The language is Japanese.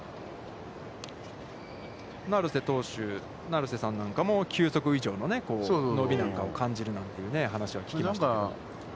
成瀬投手、成瀬さんなんかも、球速以上の伸びなんかを感じるなんていう話は聞きましたけど。